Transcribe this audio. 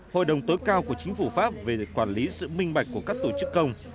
hội đồng tối cao của chính phủ pháp về quản lý sự minh bạch của các tổ chức công